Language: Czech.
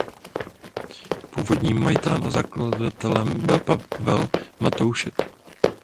Původním majitelem a zakladatelem byl Pavel Matoušek.